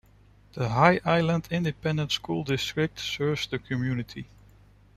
The High Island Independent School District serves the community.